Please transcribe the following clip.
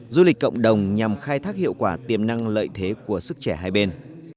du lịch cộng đồng nhằm khai thác hiệu quả tiềm năng lợi thế của sức trẻ hai bên